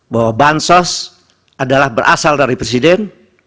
bahwa bansos adalah berasal dari presiden